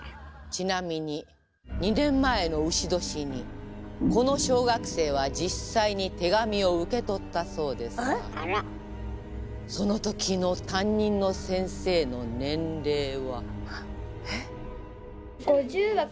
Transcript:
ちなみに２年前の丑年にこの小学生は実際に手紙を受け取ったそうですがそのときの担任の先生の年齢は。